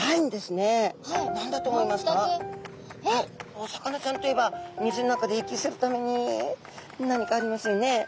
お魚ちゃんといえば水の中で息するために何かありますよね。